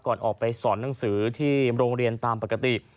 ก่อนออกไปสอนหนังสือที่โรงเรียนตามปกติ